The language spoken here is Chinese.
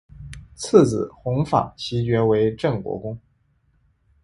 次子弘昉袭爵为镇国公。